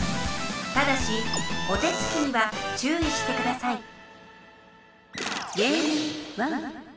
ただしお手つきには注意してください